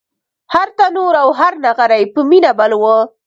هر تنور او هر نغری په مینه بل و